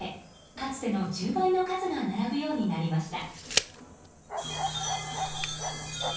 かつての１０倍の数が並ぶようになりました。